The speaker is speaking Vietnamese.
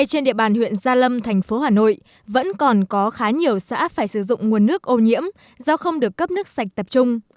trên địa bàn huyện gia lâm thành phố hà nội vẫn còn có khá nhiều xã phải sử dụng nguồn nước ô nhiễm do không được cấp nước sạch tập trung